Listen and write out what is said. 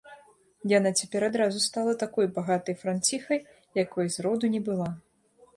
Яна цяпер адразу стала такой багатай франціхай, якой з роду не была.